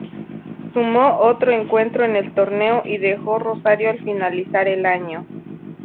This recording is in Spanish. Sumó otro encuentro en el torneo y dejó Rosario al finalizar el año.